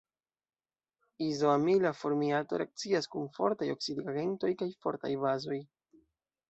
Izoamila formiato reakcias kun fortaj oksidigagentoj kaj fortaj bazoj.